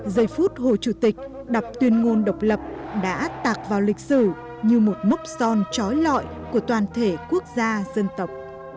giây phút hồ chủ tịch đập tuyên ngôn độc lập đã tạc vào lịch sử như một mốc son trói lọi của toàn thể quốc gia dân tộc